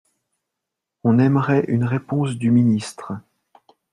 On aimerait une réponse du ministre